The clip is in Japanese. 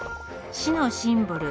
市のシンボル